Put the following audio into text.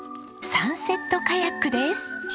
サンセットカヤック！